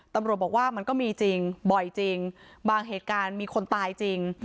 ตำรวจบอกว่ามันก็มีจริงบ่อยจริงบางเหตุการณ์มีคนตายจริง